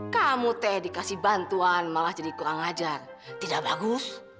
kamu teh dikasih bantuan malah jadi kurang ajar tidak bagus